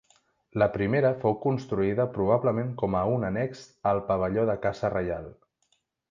La primera fou construïda probablement com a un annex al pavelló de caça reial.